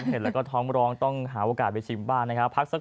เห็นแล้วก็ท้องร้องต้องหาโอกาสไปชิมบ้านนะครับพักสัก